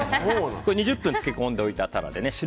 ２０分漬け込んでおいたタラ。